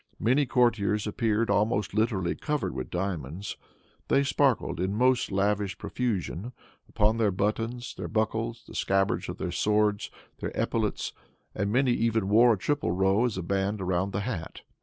Many courtiers appeared almost literally covered with diamonds. They sparkled, in most lavish profusion, upon their buttons, their buckles, the scabbards of their swords, their epaulets, and many even wore a triple row as a band around the hat.